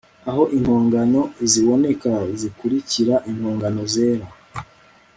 aho impongo ziboneka zikurikira impongo zera